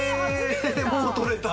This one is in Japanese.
もう取れた。